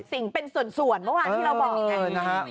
สิ่งเป็นส่วนเมื่อวานที่เราบอกไง